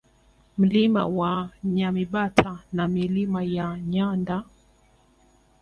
Mlima wa Nyamibata na Milima ya Nyanda